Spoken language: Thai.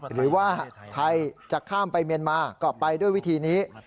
หรือว่าไทยจะข้ามไปเมียนมาก็ไปด้วยวิธีนี้